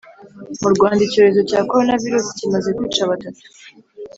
Murwanda icyorezo cya korona virusi kimaze kwica batatu